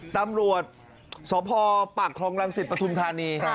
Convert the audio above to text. ตำรวจสพปรักษ์ครองรังศิษย์ปทุมธานี